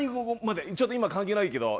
今、関係ないけど